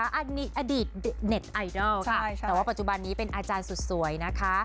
อันนี้อดีตเน็ตไอดอลค่ะแต่ว่าปัจจุบันนี้เป็นอาจารย์สุดสวยนะคะ